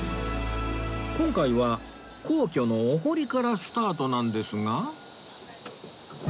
今回は皇居のお堀からスタートなんですが